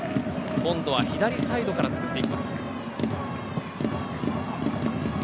今度は左サイドから作っていきます。